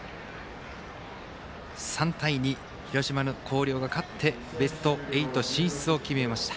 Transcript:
３対２、広島の広陵が勝ってベスト８進出を決めました。